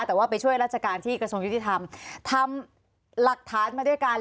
แต่ว่าไปช่วยราชการที่กระทรวงยุติธรรมทำหลักฐานมาด้วยกัน